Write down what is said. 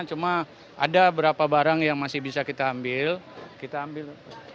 cuma ada berapa barang yang masih bisa kita ambil